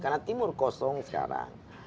karena timur kosong sekarang